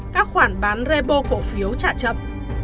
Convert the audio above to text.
các khoản bán repo cổ phiếu trả chậm